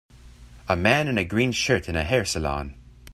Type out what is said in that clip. A man in a green shirt in a hair salon.